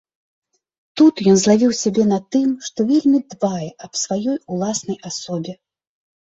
Тут ён злавіў сябе на тым, што вельмі дбае аб сваёй уласнай асобе.